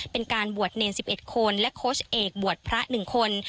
เป็นการบวชเนร๑๑คนและโค้ชเอกบวชพระ๑คน